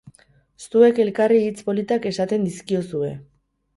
Zuek elkarri hitz politak esaten dizkiozue